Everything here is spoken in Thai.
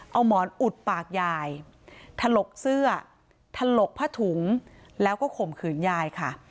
เอาหมอนอุดปากยายถลกเสื้อถลกผ้าถุงแล้วก็ข่มขืนยายค่ะ